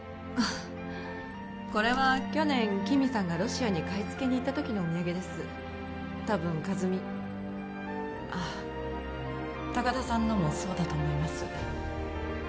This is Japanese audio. ああこれは去年木見さんがロシアに買い付けに行った時のお土産ですたぶん和美あっ高田さんのもそうだと思います